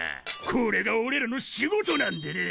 これが俺らの仕事なんでねぇ。